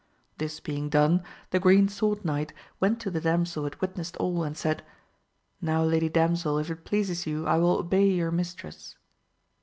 This being done the Green Sword Knight went to the damsel who had witnessed all, and said, Now lady damsel, if it pleases you I will obey your mistress.